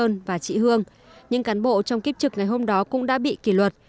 anh sơn và chị hương những cán bộ trong kiếp trực ngày hôm đó cũng đã bị kỷ luật